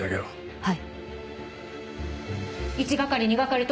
はい。